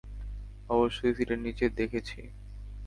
অবশ্যই সিটের নিচে দেখেছি!